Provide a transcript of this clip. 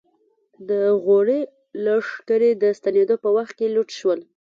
د غوري لښکرې د ستنېدو په وخت کې لوټ شول.